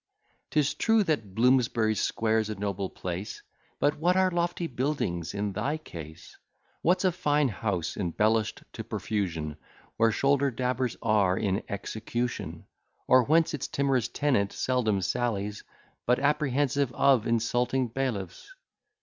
'Tis true, that Bloomsbury square's a noble place: But what are lofty buildings in thy case? What's a fine house embellish'd to profusion, Where shoulder dabbers are in execution? Or whence its timorous tenant seldom sallies, But apprehensive of insulting bailiffs?